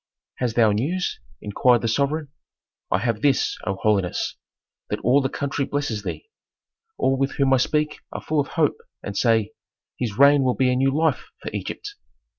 "Hast thou news?" inquired the sovereign. "I have this, O holiness, that all the country blesses thee. All with whom I speak are full of hope, and say, 'His reign will be a new life for Egypt.'"